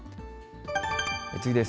次です。